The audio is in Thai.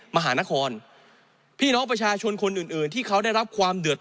มหานครพี่น้องประชาชนคนอื่นอื่นที่เขาได้รับความเดือด